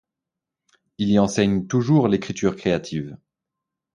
Il y enseigne toujours l'écriture créative.